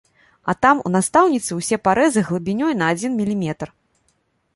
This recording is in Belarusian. А там, у настаўніцы ўсе парэзы глыбінёй на адзін міліметр.